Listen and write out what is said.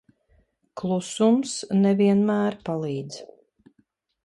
Klusums ne vienmēr palīdz.